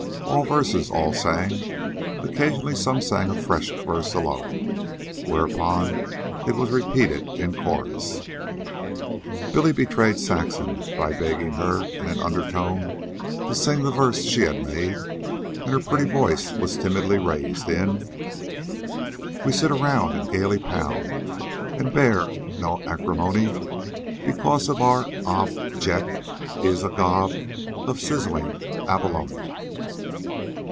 Old verses all sang, occasionally some one sang a fresh verse alone, whereupon it was repeated in chorus. Billy betrayed Saxon by begging her in an undertone to sing the verse she had made, and her pretty voice was timidly raised in: "We sit around and gaily pound, And bear no acrimony Because our ob ject is a gob Of sizzling abalone."